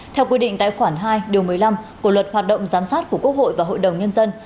theo quy định tại khoản hai điều một mươi năm của luật hoạt động giám sát của quốc hội và hội đồng nhân dân